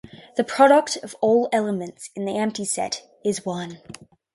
The product of all elements in the empty set is one.